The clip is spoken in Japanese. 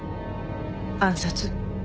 暗殺？